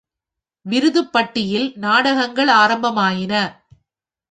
விருதுப்பட்டியில் நாடகங்கள் ஆரம்பமாயின.